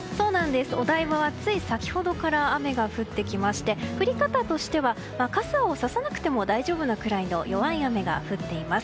お台場は、つい先ほどから雨が降ってきまして降り方としては傘をささなくても大丈夫なぐらいの弱い雨が降っています。